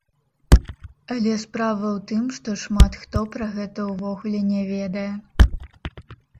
Але справа ў тым, што шмат хто пра гэта ўвогуле не ведае.